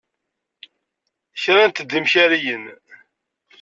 Krant-d imkariyen.